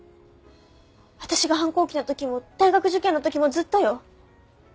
私が反抗期の時も大学受験の時もずっとよ。